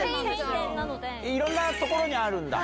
いろんな所にあるんだ。